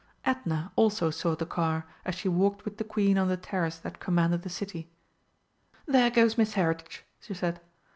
Edna also saw the car as she walked with the Queen on the terrace that commanded the City. "There goes Miss Heritage!" she said.